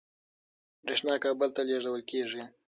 برېښنا کابل ته لېږدول کېږي.